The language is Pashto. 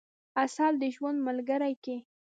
عسل د ژوند ملګری کئ.